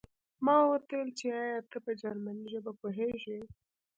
ما ورته وویل چې ایا ته په جرمني ژبه پوهېږې